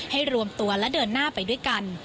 รวมตัวและเดินหน้าไปด้วยกัน